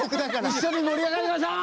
一緒に盛り上がりましょう！